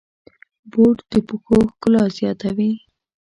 بوټ د پښو ښکلا زیاتوي.